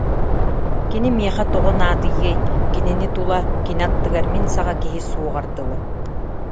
Кини миэхэ тоҕо наадыйыай, кинини тула, кини аттыгар мин саҕа киһи суоҕар дылы